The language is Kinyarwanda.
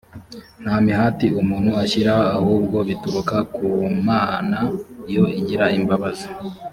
nta mihati umuntu ashyiraho ahubwo bituruka ku mana yo igira imbabazi